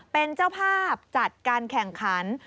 เป็นเจ้าภาพจัดการแข่งขัน